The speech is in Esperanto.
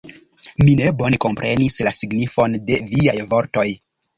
Mi ne bone komprenis la signifon de viaj vortoj.